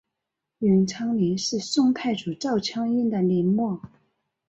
永昌陵是宋太祖赵匡胤的陵墓。